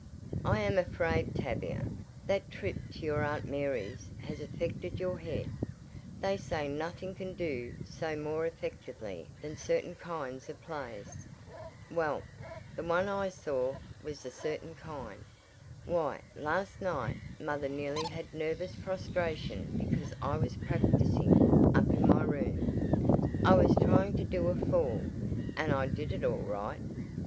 "I am afraid Tavia, that trip to your Aunt Mary's has affected your head; they say nothing can do so more effectively than certain kinds of plays." "Well, the one I saw was the certain kind. Why, last night mother nearly had nervous prostration because I was practicing up in my room. I was trying to do a fall and I did it all right."